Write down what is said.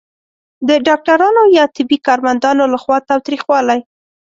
د ډاکټرانو یا طبي کارمندانو لخوا تاوتریخوالی